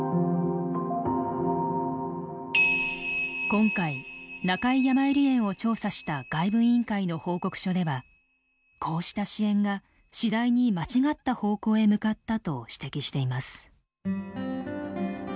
今回中井やまゆり園を調査した外部委員会の報告書ではこうした支援が次第に間違った方向へ向かったと指摘しています。